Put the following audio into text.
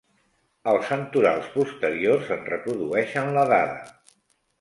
Els santorals posteriors en reprodueixen la dada.